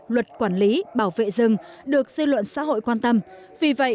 luật quản lý bảo vệ rừng được dư luận xã hội quan tâm vì vậy